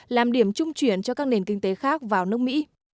làm điểm trung chuyển cho các nền kinh tế khác vào nước mỹ